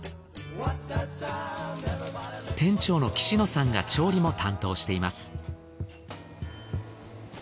店長の来住野さんが調理も担当しています。